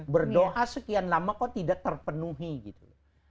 berdoa sekian lama kok tidak terpenuhi gitu loh